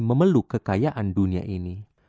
memeluk kekayaan dunia ini